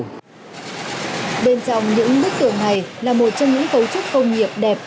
bên dòng những bức tường này là một trong những cấu trúc công nghiệp đẹp